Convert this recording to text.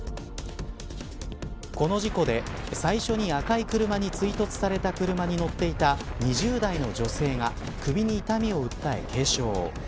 この事故で最初に赤い車に追突された車に乗っていた２０代の女性が首に痛みを訴え、軽傷。